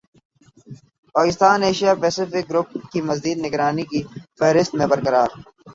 Pakistan Asia Pacific group کی مزید نگرانی کی فہرست میں برقرار